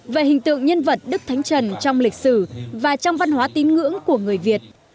về hình tượng nhân vật đức thánh trần trong lịch sử và trong văn hóa tín ngưỡng của người việt